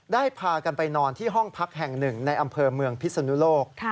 พากันไปนอนที่ห้องพักแห่งหนึ่งในอำเภอเมืองพิศนุโลก